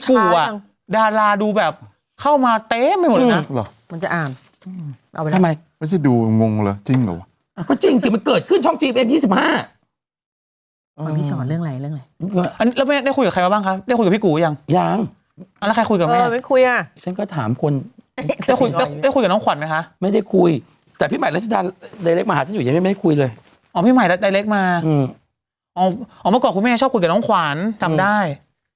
ภูมิแสนภูมิแสนภูมิแสนภูมิแสนภูมิแสนภูมิแสนภูมิแสนภูมิแสนภูมิแสนภูมิแสนภูมิแสนภูมิแสนภูมิแสนภูมิแสนภูมิแสนภูมิแสนภูมิแสนภูมิแสนภูมิแสนภูมิแสนภูมิแสนภูมิแสนภูมิแสนภูมิแสนภูมิ